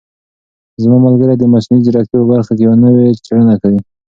زما ملګری د مصنوعي ځیرکتیا په برخه کې یوه نوې څېړنه کوي.